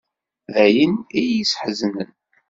D ayen i y-issḥeznen.